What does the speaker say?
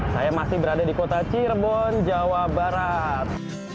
saya masih berada di kota cirebon jawa barat